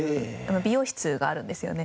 美容室があるんですよね。